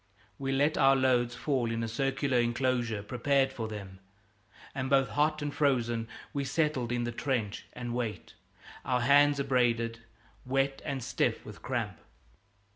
We let our loads fall in a circular enclosure prepared for them, and both hot and frozen we settled in the trench and wait our hands abraded, wet, and stiff with cramp.